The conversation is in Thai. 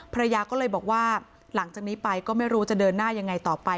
ภรรยาก็เลยบอกว่าหลังจากนี้ไปก็ไม่รู้จะเดินหน้ายังไงต่อไป